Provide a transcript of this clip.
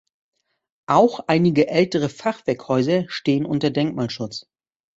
Auch einige ältere Fachwerkhäuser stehen unter Denkmalschutz.